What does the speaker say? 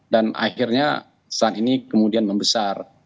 dan akhirnya saat ini kemudian membesar